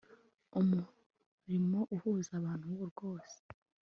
umurimo uhuza abantu rwose